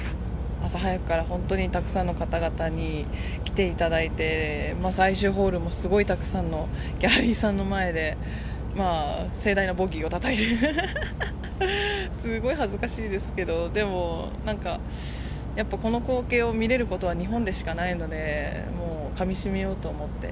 朝早くから本当にたくさんの方々に来ていただいて、最終ホールもすごいたくさんのギャラリーさんの前で、盛大なボギーをたたいて、すごい恥ずかしいですけど、でも、なんか、やっぱこの光景を見れることは日本でしかないので、もう、かみしめようと思って。